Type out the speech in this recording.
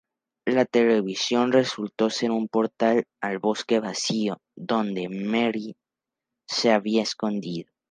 La televisión resultó ser un portal al "Bosque Vacío", donde Marie se había escondido.